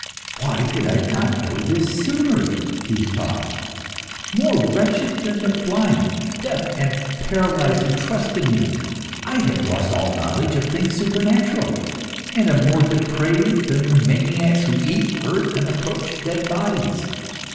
"Why did I not know this sooner?" he thought. "More wretched than the blind, deaf, and paralysed who trust in me, I have lost all knowledge of things supernatural, and am more depraved than the maniacs who eat earth and approach dead bodies.